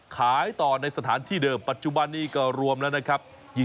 ขายต่อในสถานที่เดิมปัจจุบันนี้ก็รวมแล้วนะครับ